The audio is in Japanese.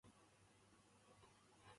アスパラギン酸